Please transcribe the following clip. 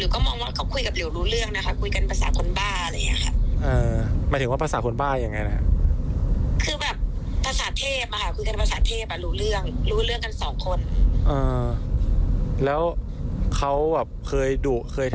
คือแบบภาษาเทพอ่ะค่ะคุยกันภาษาเทพอ่ะรู้เรื่องรู้เรื่องกันสองคน